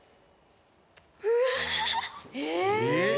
うわ！え！